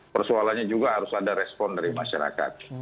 persoalannya juga harus ada respon dari masyarakat